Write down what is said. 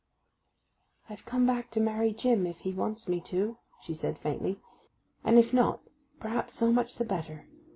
'I've come back to marry Jim, if he wants me to,' she said faintly. 'And if not—perhaps so much the better.